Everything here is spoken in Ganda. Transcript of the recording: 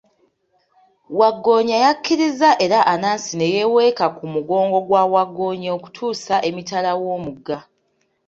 Wagggoonya yakkiriza era Anansi ne yeeweeka ku mugongo gwa wagggoonya okutuusa emitala w'omugga.